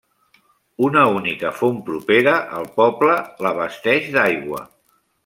Una única font propera al poble l'abasteix d'aigua.